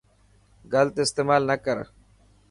گلت استيمال نا ڪرو.